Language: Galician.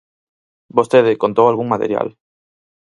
Vostede contou algún material.